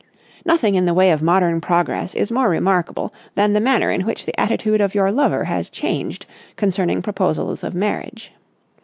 Nothing in the way of modern progress is more remarkable than the manner in which the attitude of your lover has changed concerning proposals of marriage.